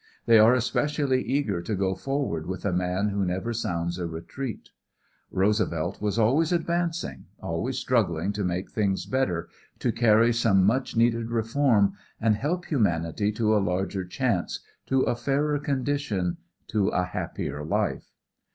They are especially eager to go forward with a man who never sounds a retreat. Roosevelt was always advancing, always struggling to make things better, to carry some much needed reform, and help humanity to a larger chance, to a fairer condition, to a happier life.